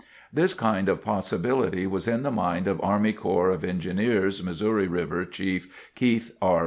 This kind of possibility was in the mind of Army Corps of Engineers Missouri River Chief Keith R.